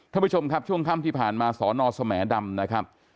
ท่านผู้ชมครับช่วงค่ำที่ผ่านมาสนสแหมดำนะครับ